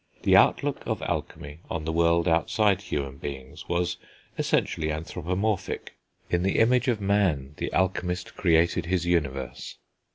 The outlook of alchemy on the world outside human beings was essentially anthropomorphic. In the image of man, the alchemist created his universe.